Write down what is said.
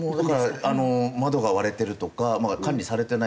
窓が割れてるとか管理されてない。